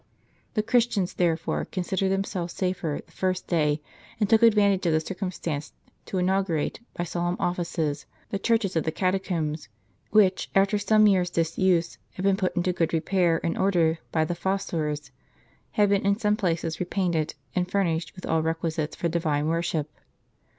The Christians, there fore, considered themselves safer the first day, and took advantage of the circumstance to inaugurate, by solemn offices, the churches of the catacombs, which, after some years' disuse, had been put into good repair and order by the fos sores, had been in some places repainted, and furnished with all requisites for divine worship.